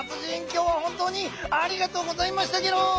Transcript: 今日は本当にありがとうございましたゲロー！